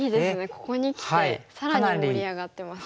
ここにきて更に盛り上がってますね。